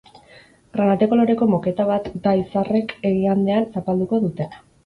Granate koloreko moketa bat da izarrek igandean zapalduko dutena.